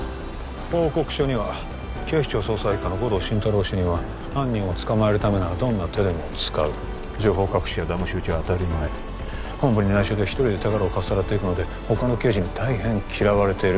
報告書には警視庁捜査一課の護道心太朗主任は犯人を捕まえるためならどんな手でも使う情報隠しやだまし討ちは当たり前本部に内緒で一人で手柄をかっさらっていくのでほかの刑事に大変嫌われている